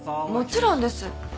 もちろんです。